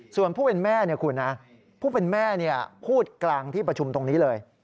ส่วนผู้เป็นแม่คุณนะผู้เป็นแม่พูดกลางที่ประชุมตรงนี้เลย